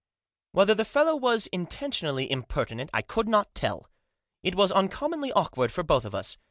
Whether the fellow was intentionally impertinent I could not tell. It was uncommonly awkward for both of us.